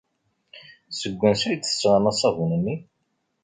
Seg wansi ay d-tesɣam aṣabun-nni?